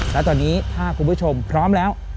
และตอนนี้ถ้าคุณผู้ชมพร้อมแล้ว